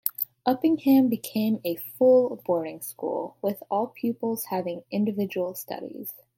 Uppingham became a full boarding school, with all pupils having individual studies.